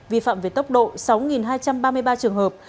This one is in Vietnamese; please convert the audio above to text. vi phạm về tốc độ sáu hai trăm ba mươi ba trường hợp